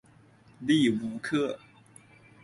利乌克。